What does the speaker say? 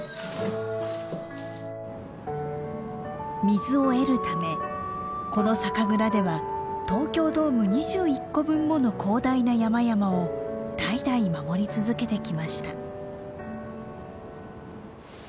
水を得るためこの酒蔵では東京ドーム２１個分もの広大な山々を代々守り続けてきました。